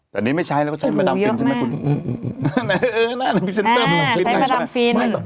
แต่นี้ไม่ใช่แล้วก็ใช้พระดำฟินใช่มั้ยคุณ